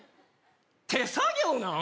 手作業なん！？